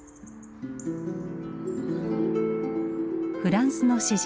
フランスの詩人